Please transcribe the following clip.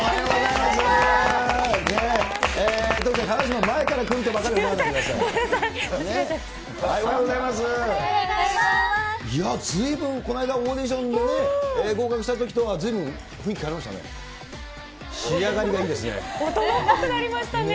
いやー、ずいぶんこの間、オーディションで合格したときとはずいぶん雰囲気変わりましたね。